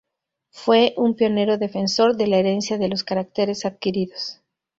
Fue un pionero defensor de la herencia de los caracteres adquiridos.